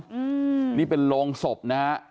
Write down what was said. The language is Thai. อืมนี่เป็นโรงศพนะฮะ